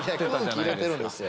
空気入れてるんですよ。